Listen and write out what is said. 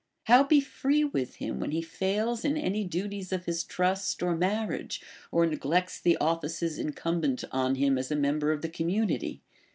how be free with him where he fails in any duties of his trust or marriage, or neolects the offices incumbent on him as a member of the community